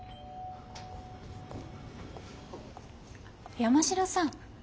山城さん。